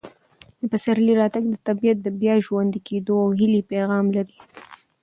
د پسرلي راتګ د طبیعت د بیا ژوندي کېدو او هیلې پیغام دی.